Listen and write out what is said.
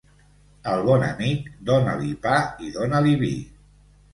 Al bon amic, dona-li pa i dona-li vi.